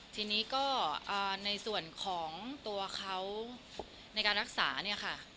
ทีนี้ก็ในส่วนของตัวเขาในการรักษาเนี่ยค่ะ